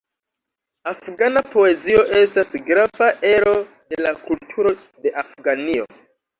Afgana poezio estas grava ero de la kulturo de Afganio.